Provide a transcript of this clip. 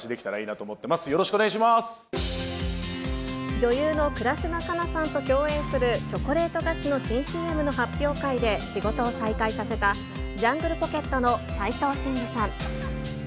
女優の倉科カナさんと共演する、チョコレート菓子の新ＣＭの発表会で仕事を再開させた、ジャングルポケットの斉藤慎二さん。